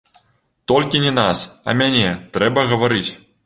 Толькі не нас, а мяне, трэба гаварыць.